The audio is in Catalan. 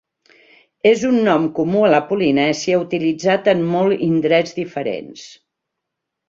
És un nom comú a la Polinèsia utilitzat en molt indrets diferents.